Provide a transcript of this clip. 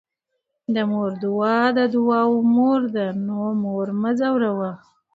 د مور دعاء د دعاوو مور ده، نو مور مه ځوروه